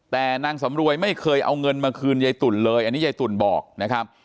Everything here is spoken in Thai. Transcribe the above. แต่นางสำรวยไม่เคยเอาเงินมาคืนยายตุ๋นเลยอันนี้ยายตุ๋นบอกนะครับ